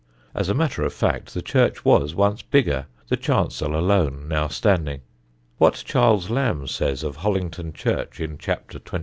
As a matter of fact, the church was once bigger, the chancel alone now standing. What Charles Lamb says of Hollington church in Chapter XXXVI.